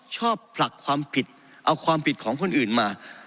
ผลักความผิดเอาความผิดของคนอื่นมา